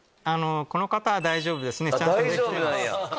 この方は大丈夫ですねちゃんとできてます。